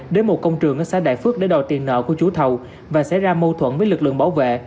đến một công trường ở xã đại phước để đòi tiền nợ của chủ thầu và xảy ra mâu thuẫn với lực lượng bảo vệ